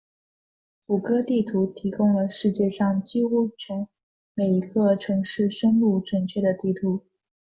谷歌地图提供了世界上几乎每一个城市深入准确的地图。